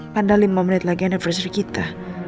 pandang lima menit lagi anniversary kita